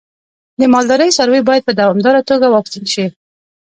د مالدارۍ څاروی باید په دوامداره توګه واکسین شي.